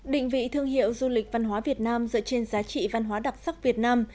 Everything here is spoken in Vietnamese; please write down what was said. định vị thương hiệu du lịch văn hóa việt nam dựa trên giá trị văn hóa đặc sắc việt nam